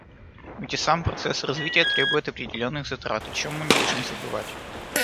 Ведь и сам процесс развития требует определенных затрат, о чем мы не должны забывать.